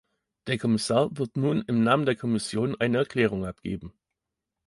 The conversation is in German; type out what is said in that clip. Der Kommissar wird nun im Namen der Kommission eine Erklärung abgeben.